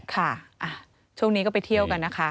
ค่ะช่วงนี้ก็ไปเที่ยวกันนะคะ